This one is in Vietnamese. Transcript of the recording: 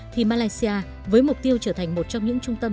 thì malaysia với mục tiêu trở thành một trong những trung tâm